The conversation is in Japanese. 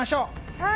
はい。